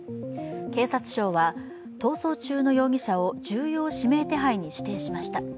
警察庁は逃走中の容疑者を重要指名手配に指定しました。